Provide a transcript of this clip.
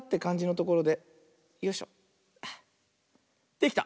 できた！